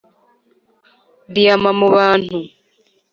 diyama mu bantu